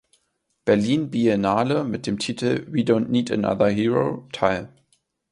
Berlin Biennale mit dem Titel "We dont need another hero" teil.